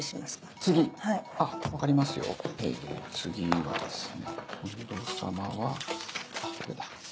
次はですね近藤様はあっこれだ。